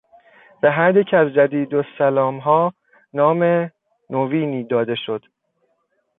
به هریک از جدیدالسلامها نام نوینی داده شد.